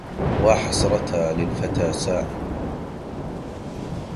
واحسرة للفتى ساعة